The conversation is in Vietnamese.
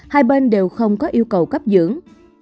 hai bên đều không có yêu cầu cấp dưỡng